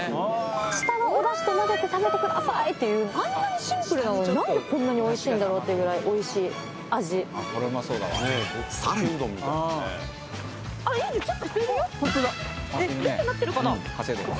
下のおだしとまぜて食べてくださーいっていうあんなにシンプルなのに何でこんなにおいしいんだろうっていうぐらいおいしい味いいねちょっと人いるよ